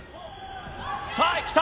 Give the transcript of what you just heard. さあ、きた。